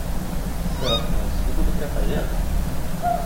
Sötnos, du borde skaffa hjälp.